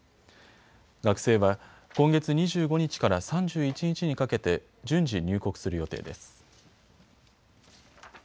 学生は今月２５日から３１日にかけて順次、入国する予定です。